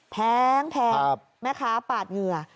แพงแม่ค้าปาดเหงื่อ